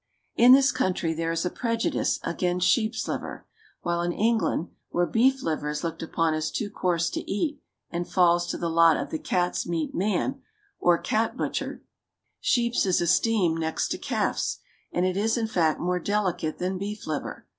In this country there is a prejudice against sheep's liver; while in England, where beef liver is looked upon as too coarse to eat (and falls to the lot of the "cats meat man," or cat butcher), sheep's is esteemed next to calf's, and it is, in fact, more delicate than beef liver.